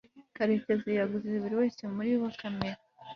karekezi yaguze buri wese muri bo kamera